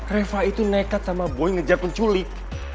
reva itu nekat sama boy ngejar penculik